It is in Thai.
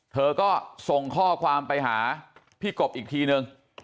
เธอก็ส่งข้อความไปหาพี่กบอีกทีนึง